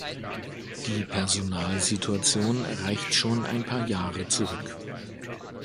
Die Personalsituation reicht schon ein paar Jahre zurück.